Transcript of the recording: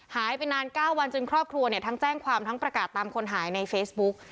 หายไปนาน๙วันจนครอบครัวเนี่ยทั้งแจ้งความทั้งประกาศตามคนหายในเฟซบุ๊ก